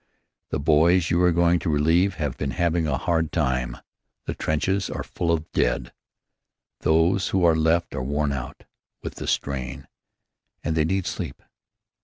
The boys you are going to relieve have been having a hard time. The trenches are full of dead. Those who are left are worn out with the strain, and they need sleep.